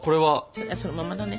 それはそのままだね。